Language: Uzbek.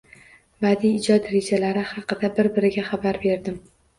Badiiy ijod rejalari haqida bir-biriga xabar berdim.